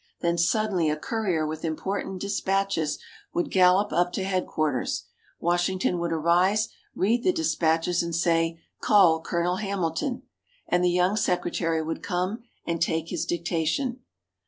Then suddenly a courier with important despatches would gallop up to Headquarters. Washington would arise, read the despatches and say: "Call Colonel Hamilton." And the young secretary would come and take his dictation.